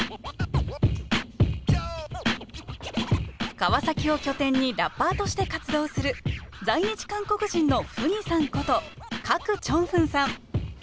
川崎を拠点にラッパーとして活動する在日韓国人のＦＵＮＩさんこと郭正勲さん。